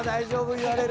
言われる！